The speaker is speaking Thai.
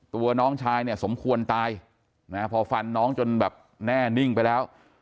ตัวน้องชายเนี่ยสมควรตายนะพอฟันน้องจนแบบแน่นิ่งไปแล้ว